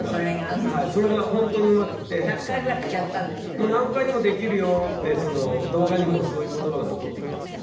「もう何回でもできるよ」って動画にもそういう言葉が残ってるんですけど。